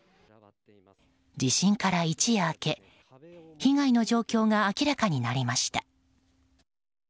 地震から一夜明け被害の状況が明らかになりました。